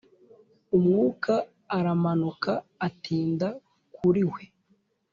Umwuka aramanuka atinda kuriwe